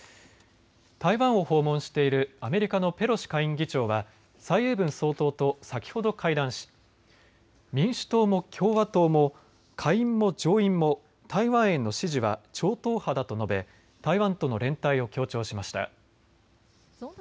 台湾を訪問しているアメリカのペロシ下院議長は蔡英文総統と先ほど会談し、民主党も共和党も下院も上院も台湾への支持は超党派だと述べ台湾との連帯を強調しました。